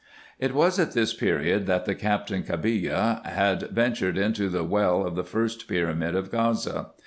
It was at this period that Captain Cabillia had ventured into the well of the first pyramid of Gaza.